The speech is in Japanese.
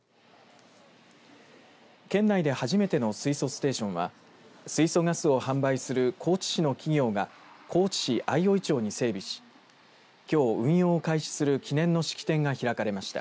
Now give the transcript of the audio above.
県内で初めての水素ステーションは水素ガスを販売する高知市の企業が高知市相生町に整備しきょう運用を開始する記念の式典が開かれました。